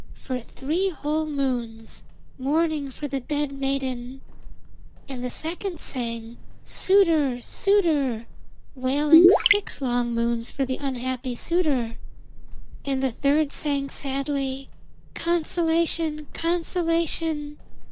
for three whole moons, mourning for the dead maiden. And the second sang 'Suitor! Suitor!' wailing six long moons for the unhappy suitor. And the third sang sadly 'Consolation! Consolation!'